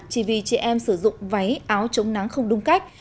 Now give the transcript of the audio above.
chỉ vì chị em sử dụng váy áo chống nắng không đúng cách